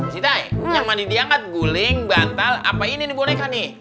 citai yang mandi diangkat guling bantal apa ini dibolehkan nih